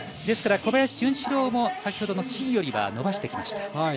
ですから小林潤志郎も先ほどの試技よりは伸ばしてきました。